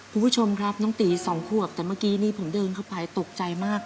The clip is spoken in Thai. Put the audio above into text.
คุณผู้ชมครับน้องตี๒ขวบแต่เมื่อกี้นี่ผมเดินเข้าไปตกใจมาก